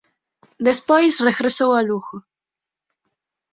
Despois regresou a Lugo.